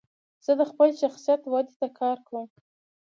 زه د خپل شخصیت ودي ته کار کوم.